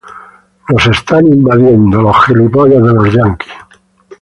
Nos están invadiendo".